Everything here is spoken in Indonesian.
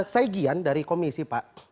saya gian dari komisi pak